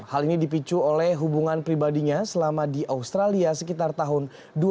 hal ini dipicu oleh hubungan pribadinya selama di australia sekitar tahun dua ribu dua